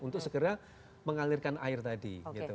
untuk segera mengalirkan air tadi